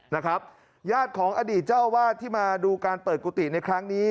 นะครับญาติของอดีตเจ้าอาวาสที่มาดูการเปิดกุฏิในครั้งนี้